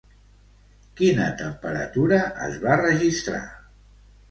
Quina temperatura es va registrar?